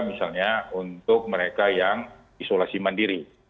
misalnya untuk mereka yang isolasi mandiri